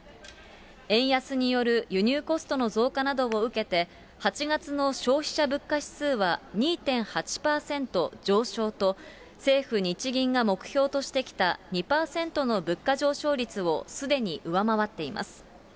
円安による輸入コストの増加などを受けて、８月の消費者物価指数は２．８％上昇と、政府・日銀が目標としてきた２％の物価上昇率をすでに上回っています。